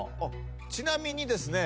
ちなみにですね